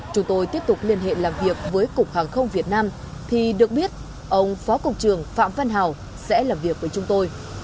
chúng tôi tiếp tục liên hệ làm việc với cục hàng không việt nam thì được biết ông phó cục trưởng phạm văn hào sẽ làm việc với chúng tôi